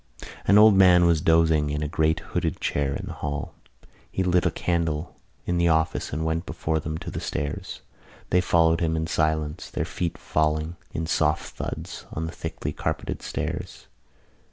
An old man was dozing in a great hooded chair in the hall. He lit a candle in the office and went before them to the stairs. They followed him in silence, their feet falling in soft thuds on the thickly carpeted stairs.